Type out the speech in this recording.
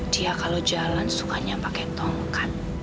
dia kalau jalan sukanya pakai tongkat